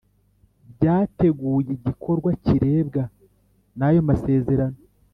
byateguye igikorwa kirebwa n ayo masezerano